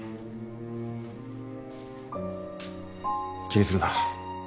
気にするな。